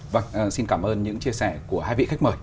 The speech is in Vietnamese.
vâng xin cảm ơn những chia sẻ của hai vị khách mời